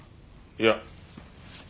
いや。